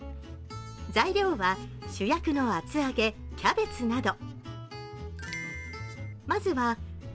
材料は、主役の厚揚げ、キャベツなど。